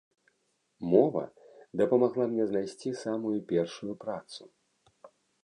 Мова дапамагла мне знайсці самую першую працу.